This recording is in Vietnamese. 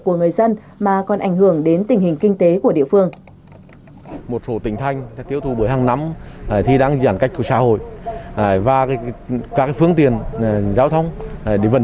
của người dân nhưng cũng ảnh hưởng đến